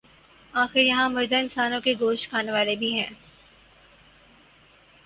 آخر یہاں مردہ انسانوں کے گوشت کھانے والے بھی ہیں۔